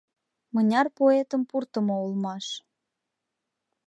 Мыняр поэтым пуртымо улмаш!